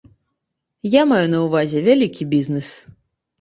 Я маю на ўвазе вялікі бізнес.